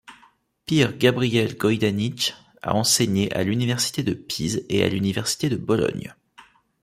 Pier Gabriele Goidànich a enseigné à l’université de Pise et à l’université de Bologne.